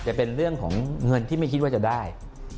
จะเป็นเรื่องของเงินที่ไม่คิดว่าจะได้